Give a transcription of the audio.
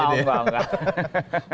enggak enggak enggak